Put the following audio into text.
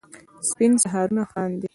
سپین سهارونه خاندي